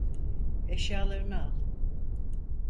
Eşyalarını al.